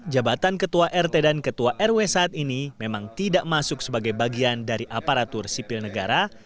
jabatan ketua rt dan ketua rw saat ini memang tidak masuk sebagai bagian dari aparatur sipil negara